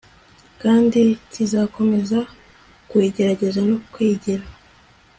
kandi kizakomeza kuyigerageza no kwigira